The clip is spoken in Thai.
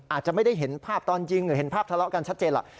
อาจจะไม่ได้เห็นภาพตอนยิงหรือเห็นภาพทะเลาะกันชัดเจนหรอก